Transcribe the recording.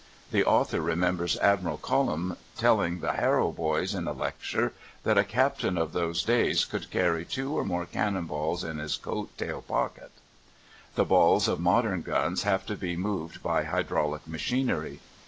The author remembers Admiral Colomb telling the Harrow boys in a lecture that a Captain of those days could carry two or more cannon balls in his coat tail pocket; the balls of modern guns have to be moved by hydraulic machinery.